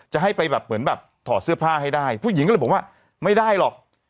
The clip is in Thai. จะให้ไปแบบเหมือนแบบถอดเสื้อผ้าให้ได้ผู้หญิงก็เลยบอกว่าไม่ได้หรอก